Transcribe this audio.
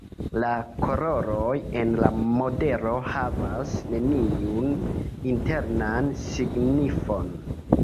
La koloroj en la modelo havas neniun internan signifon.